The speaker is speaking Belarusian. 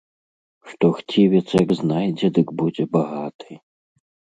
Што хцівец, як знайдзе, дык будзе багаты!